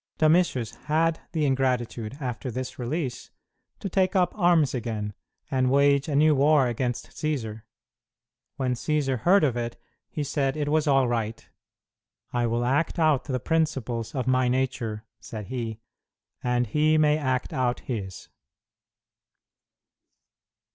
Domitius had the ingratitude, after this release, to take up arms again, and wage a new war against Cćsar. When Cćsar heard of it he said it was all right. "I will act out the principles of my nature," said he, "and he may act out his."